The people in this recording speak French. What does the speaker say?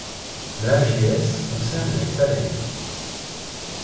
L’AGS concerne les salaires.